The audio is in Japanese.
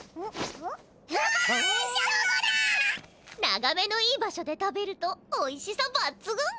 ながめのいい場所で食べるとおいしさばっつぐん！